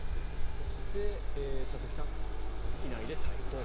そして、佐々木さん機内で逮捕